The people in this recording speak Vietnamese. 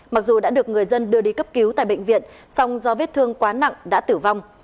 mặc dù đã được người dân đưa đi cấp cứu tại bệnh viện song do vết thương quá nặng đã tử vong